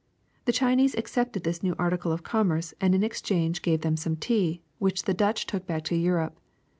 The Chinese accepted this new article of com merce and in exchange gave them some tea, which the Dutch took back to Europe.